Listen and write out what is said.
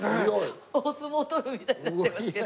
お相撲取るみたいになってますけど。